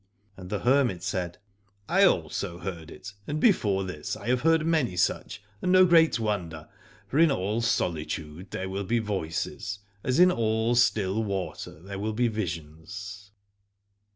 And the hermit said : I also heard it, and before this I have heard many such, and no great wonder; for in all solitude there will be voices, as in all still water there will be visions.